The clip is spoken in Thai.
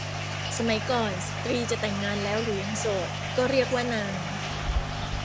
สมัยก่อนสตรีจะแต่งงานแล้วหรือยังโสด ก็เรียกว่านาง